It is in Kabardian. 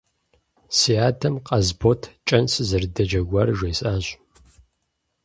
Си адэм Къасбот кӀэн сызэрыдэджэгуар жесӀащ.